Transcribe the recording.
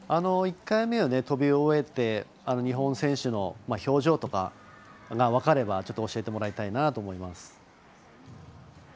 １回目を飛び終えて日本選手の表情とか分かれば教えてもらいたいなと思います。